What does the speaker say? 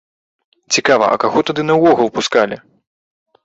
Цікава, а каго тады наогул пускалі?